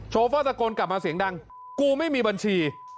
โฟลตะโกนกลับมาเสียงดังกูไม่มีบัญชี